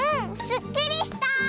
すっきりした！